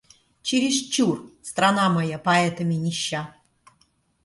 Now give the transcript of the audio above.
Чересчур страна моя поэтами нища.